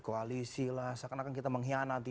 koalisi lah seakan akan kita mengkhianati